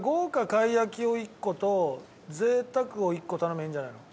貝焼き」を１個と「贅沢！」を１個頼めばいいんじゃないの？